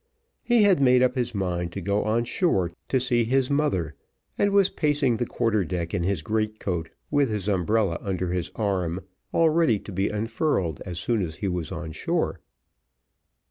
He had made up his mind to go on shore to see his mother, and was pacing the quarter deck in his great coat, with his umbrella under his arm, all ready to be unfurled as soon as he was on shore.